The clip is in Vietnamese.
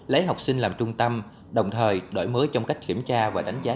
lấy học sinh làm trung tâm đồng thời đổi mới trong cách kiểm tra và đánh giá